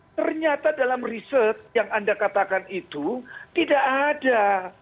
ternyata dalam riset yang anda katakan itu tidak ada